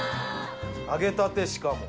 揚げたてしかも。